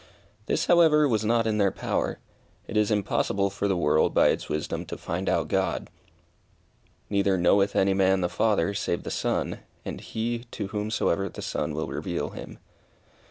This, however, was not in their power. It is impossible for the world by its wisdom to find out God. "Neither knoweth any man the Father save the son, and he to whomsoever the son will reveal him."